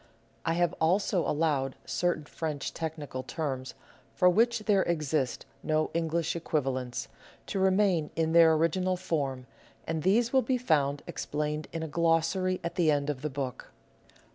I have also allowed certain French technical terms, for which there exist no English equivalents, to remain in their original form, and these will be found explained in a glossary at the end of the book.